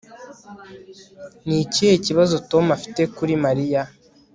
Ni ikihe kibazo Tom afite kuri Mariya